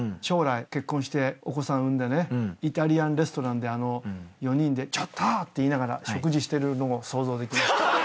将来結婚してお子さん産んでねイタリアンレストランであの４人で「ちょっと！」って言いながら食事してるの想像できました。